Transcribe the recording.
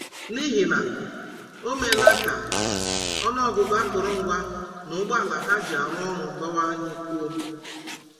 n'ihi na o meela ka ọnụ ọgụgụ akụrụngwa na ụgbọala ha ji arụ ọrụ bawanyekwuo.